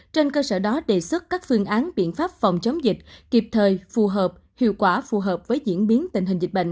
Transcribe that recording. trên cơ sở đó đề xuất các phương án biện pháp phòng chống dịch kịp thời phù hợp hiệu quả phù hợp với diễn biến tình hình dịch bệnh